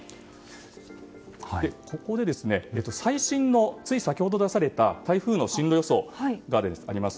ここで最新のつい先ほど出された台風の進路予想があります。